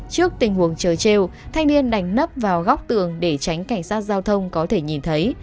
trước tình huống trời trêu thanh niên đánh nấp vào góc tường để tránh cảnh sát giao thông có thể nhìn thấy